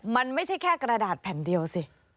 มันไม่ใช่แค่กระดาษแผ่นเดียวสิ